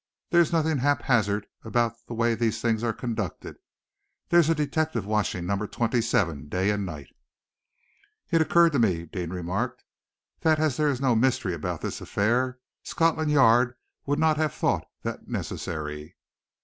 "There's nothing haphazard about the way these things are conducted. There's a detective watching Number 27, day and night." "It occurred to me," Deane remarked, "that as there is no mystery about this affair, Scotland Yard would not have thought that necessary."